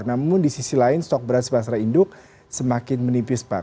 namun di sisi lain stok beras pasar induk semakin menipis pak